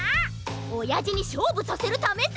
おやじにしょうぶさせるためさ！